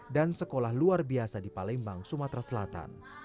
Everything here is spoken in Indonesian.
dan sekolah luar biasa di palembang sumatera selatan